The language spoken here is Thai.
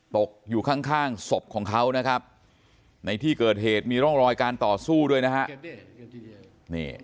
ตกอยู่ข้างศพของเขานะครับในที่เกิดเหตุมีร่องรอยการต่อสู้ด้วยนะฮะ